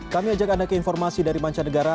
kami ajak anda ke informasi dari manca negara